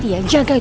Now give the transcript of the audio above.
tante andis jangan